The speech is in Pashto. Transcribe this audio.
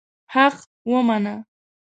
حق ومنه.